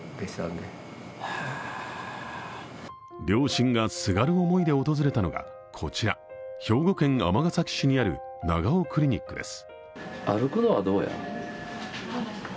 両親がすがる思いで訪れたのがこちら、兵庫県尼崎市にある長尾クリニックです。